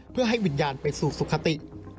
เพื่อให้วิญญาณไปสู่สุขติ